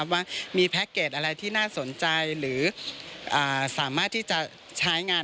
ว่ามีแพ็คเกจอะไรที่น่าสนใจหรือสามารถที่จะใช้งาน